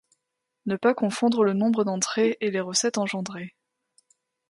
Ne pas confondre le nombre d'entrées et les recettes engendrées.